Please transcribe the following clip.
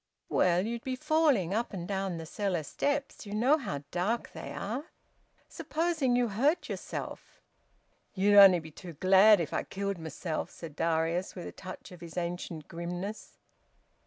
"Well, you'd be falling up and down the cellar steps. You know how dark they are. Supposing you hurt yourself?" "Ye'd only be too glad if I killed mysen!" said Darius, with a touch of his ancient grimness.